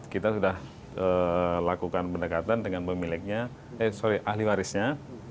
kita sudah lakukan pendekatan dengan ahli warisnya